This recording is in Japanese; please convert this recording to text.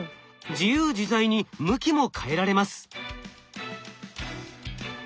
自由自在に向きも変えられます。